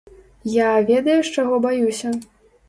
Я, ведаеш, чаго баюся?